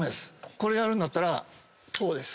これやるんだったらこうです。